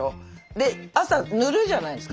で朝塗るじゃないですか。